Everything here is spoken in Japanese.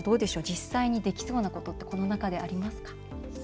実際にできそうなことってこの中でありますか？